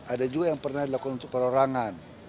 ada juga yang pernah dilakukan untuk perorangan